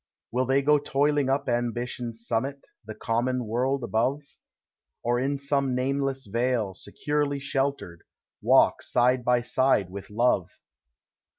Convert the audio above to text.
Will they go toiling up Ambition's summit. The common world above? Or in some nameless vale, securely sheltered. Walk side by side with Love?